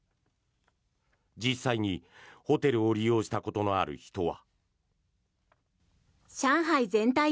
実際にホテルを利用したことのある人は。